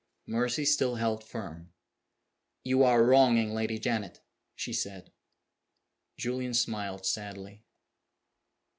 Mercy still held firm. "You are wronging Lady Janet," she said. Julian smiled sadly.